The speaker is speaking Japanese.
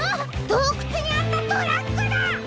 どうくつにあったトラックだ！